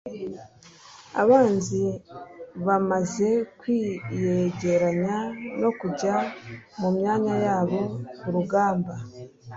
abanzi bamaze kwiyegeranya no kujya mu myanya yabo ku rugamba